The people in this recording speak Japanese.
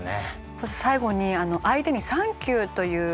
そして最後に相手にサンキューと言う。